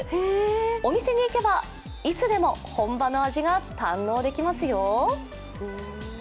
お店に行けばいつでも本場の味が堪能できますよ。